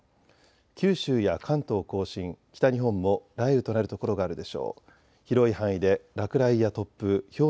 九州や関東甲信、北日本も雷雨となる所があるでしょう。